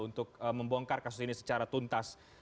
untuk membongkar kasus ini secara tuntas